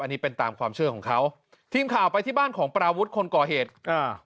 อันนี้เป็นตามความเชื่อของเขาทีมข่าวไปที่บ้านของปราวุฒิคนก่อเหตุอ่า